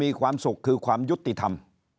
มีความสุขคือความยุติธรรม